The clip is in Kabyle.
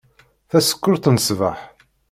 Tasekkurt n ṣbeḥ.